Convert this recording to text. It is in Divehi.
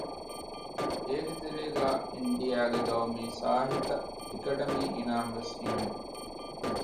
އޭގެ ތެރޭގައި އިންޑިއާގެ ގައުމީ ސާހިތަ އެކަޑަމީ އިނާމު ވެސް ހިމެނެ